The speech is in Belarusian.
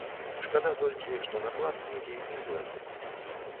Шкада толькі, што наклад кнігі мізэрны.